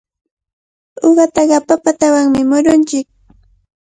Uqataqa papatanawmi murunchik.